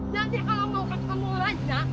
jadi alam orang kamu raja